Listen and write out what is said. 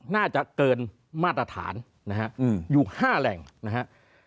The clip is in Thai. น่าจะเกินมาตรฐานนะฮะอยู่๕แหล่งนะครับ